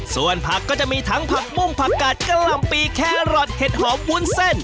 ส่วนผักก็จะมีทั้งผักบุ้งผักกาดกะหล่ำปีแครอทเห็ดหอมวุ้นเส้น